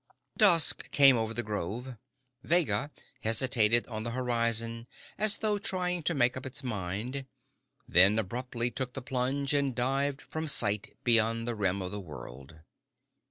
Dusk came over the grove. Vega hesitated on the horizon as though trying to make up its mind, then abruptly took the plunge and dived from sight beyond the rim of the world.